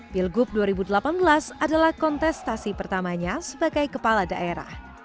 pilgub dua ribu delapan belas adalah kontestasi pertamanya sebagai kepala daerah